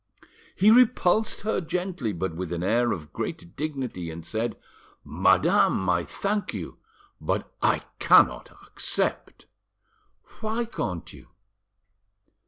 He repulsed her gently, but with an air of great dignity, and said— "Madame, I thank you, but I cannot accept." "Why can't you?"